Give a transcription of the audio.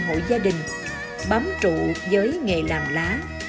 một mươi hội gia đình bám trụ với nghề làm lá